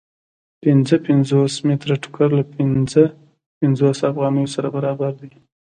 پنځه پنځوس متره ټوکر له پنځه پنځوس افغانیو سره برابر دی